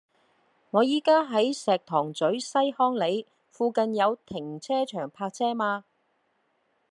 我依家喺石塘咀西康里，附近有停車場泊車嗎